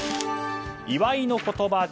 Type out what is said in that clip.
祝いの言葉